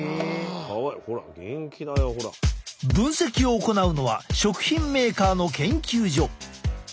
分析を行うのは食品メーカーの研究所。